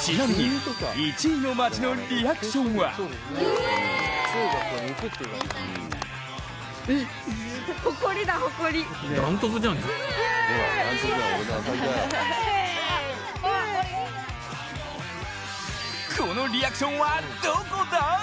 ちなみに１位の街のリアクションはこのリアクションはどこだ？